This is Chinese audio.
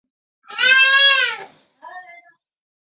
为平成假面骑士系列的第六系列录影带首映作品。